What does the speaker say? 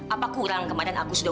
apa kurang kemaren aku sudah